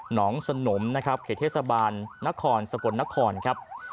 หนองสนมเขตเทศบาลนครสะกดนครครับ